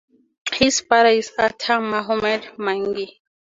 His father is Atta Muhammad Mangi.